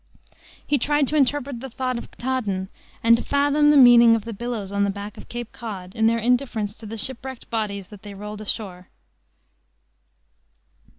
He tried to interpret the thought of Ktaadn and to fathom the meaning of the billows on the back of Cape Cod, in their indifference to the shipwrecked bodies that they rolled ashore.